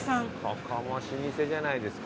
ここも老舗じゃないですか？